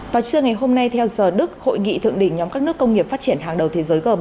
vào trưa ngày hôm nay theo giờ đức hội nghị thượng đỉnh nhóm các nước công nghiệp phát triển hàng đầu thế giới gm